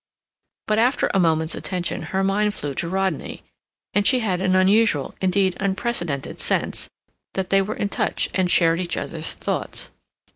But after a moment's attention her mind flew to Rodney, and she had an unusual, indeed unprecedented, sense that they were in touch and shared each other's thoughts.